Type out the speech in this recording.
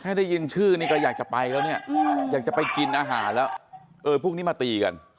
ได้ยินชื่อนี่ก็อยากจะไปแล้วเนี่ยอยากจะไปกินอาหารแล้วเออพวกนี้มาตีกัน